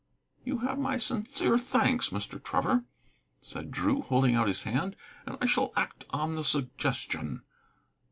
"You have my sincere thanks, Mr. Trevor," said Drew, holding out his hand, "and I shall act on the suggestion."